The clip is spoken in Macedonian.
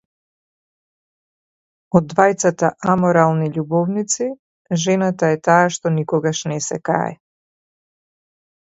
Од двајцата аморални љубовници, жената е таа што никогаш не се кае.